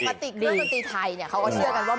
เพราะปกติเพราะหุ่นทีไทยนะเขาก็เชื่อกันว่ามีครู